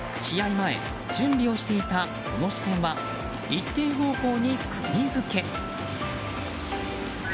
前準備をしていたその視線は一定方向にくぎ付け。